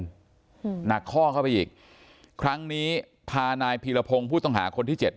อืมหนักข้อเข้าไปอีกครั้งนี้พานายพีรพงศ์ผู้ต้องหาคนที่เจ็ด